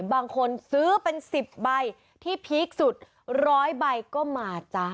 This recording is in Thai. บางคนซื้อเป็น๑๐ใบที่พีคสุด๑๐๐ใบก็มาจ๊ะ